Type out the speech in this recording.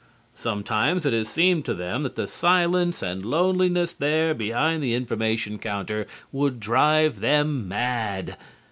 Sometimes it has seemed to them that the silence and loneliness there behind the information counter would drive them mad.